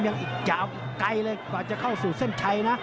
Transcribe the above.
ยังอีกยาวไกลเลยกว่าจะเข้าสู่เส้นชัยนะ